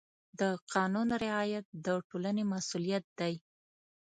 د قانون رعایت د ټولنې مسؤلیت دی.